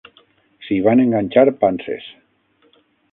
S'hi van enganxar panses.